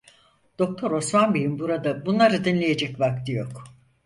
Doktor Osman Bey'in burada bunları dinleyecek vakti yok.